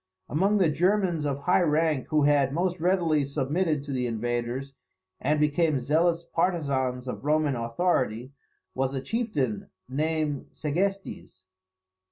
Among the Germans of high rank who had most readily submitted to the invaders, and become zealous partisans of Roman authority, was a chieftain named Segestes.